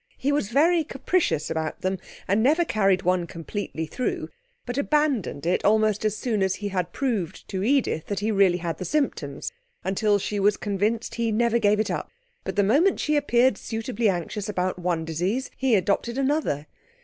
He was very capricious about them and never carried one completely through, but abandoned it almost as soon as he had proved to Edith that he really had the symptoms. Until she was convinced he never gave it up; but the moment she appeared suitably anxious about one disease he adopted another.